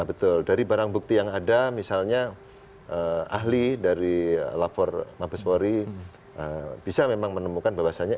betul dari barang bukti yang ada misalnya ahli dari lapor mabespori bisa memang menemukan bahwasannya